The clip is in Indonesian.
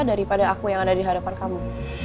daripada aku yang ada di hadapan kamu